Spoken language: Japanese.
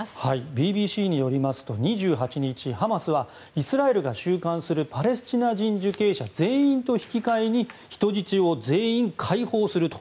ＢＢＣによりますと２８日、ハマスはイスラエルが収監するパレスチナ人受刑者全員と引き換えに人質を全員解放すると。